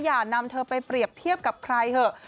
อย่านำเธอไปเปรียบเทียบกับใครเถอะ